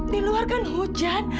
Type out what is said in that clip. diluar kan hujan